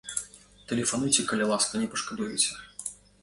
Тэлефануйце, калі ласка, не пашкадуеце!